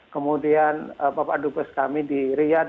kemudian bapak dubes kami di riyad